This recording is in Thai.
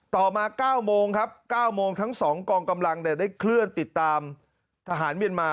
ต่อมา๙โมงครับ๙โมงทั้ง๒กองกำลังได้เคลื่อนติดตามทหารเมียนมา